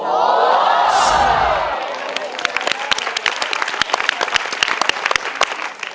โอ้โฮ